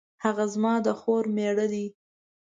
هغه زما د خور میړه دی